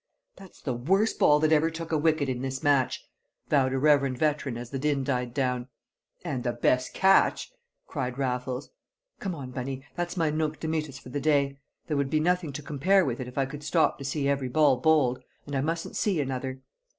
"That's the worst ball that ever took a wicket in this match!" vowed a reverend veteran as the din died down. "And the best catch!" cried Raffles. "Come on, Bunny; that's my nunc dimittis for the day. There would be nothing to compare with it if I could stop to see every ball bowled, and I mustn't see another."